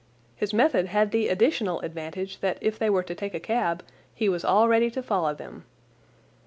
His method had the additional advantage that if they were to take a cab he was all ready to follow them.